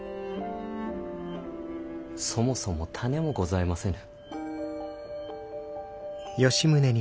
そもそも種もございませぬ。